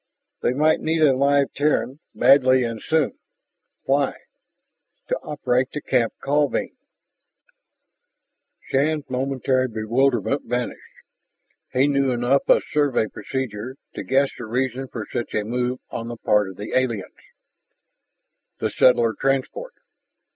"They might need a live Terran badly and soon." "Why?" "To operate the camp call beam." Shann's momentary bewilderment vanished. He knew enough of Survey procedure to guess the reason for such a move on the part of the aliens. "The settler transport?"